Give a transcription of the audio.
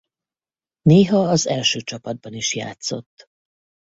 Néha az első csapatban is játszott.